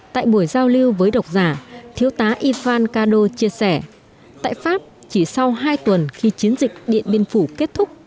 tại buổi giao lưu với độc giả thiếu tá ivan kado chia sẻ tại pháp chỉ sau hai tuần khi chiến dịch điện biên phủ kết thúc đã có sách